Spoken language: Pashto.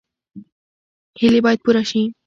هیلې باید پوره شي